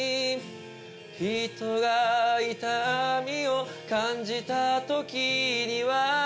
「人が痛みを感じた時には」